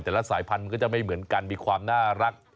แต่ละสายพันธุ์ก็จะไม่เหมือนกันมีความน่ารัก